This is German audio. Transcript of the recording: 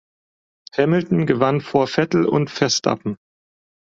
Hamilton gewann vor Vettel und Verstappen.